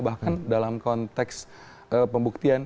bahkan dalam konteks pembuktian